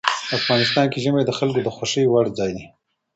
افغانستان کې ژمی د خلکو د خوښې وړ ځای دی.